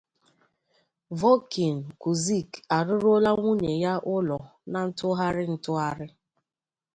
Vokin Kusic arụọrọla nwunye ya ụlọ na-atụgharị atụgharị